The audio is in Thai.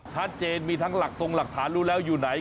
ชัดเจนมีทั้งหลักตรงหลักฐานรู้แล้วอยู่ไหน